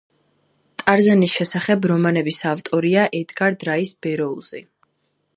ტარზანის შესახებ რომანების ავტორია ედგარ რაის ბეროუზი.